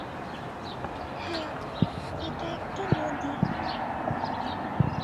হ্যাঁ, এটা একটা নদী!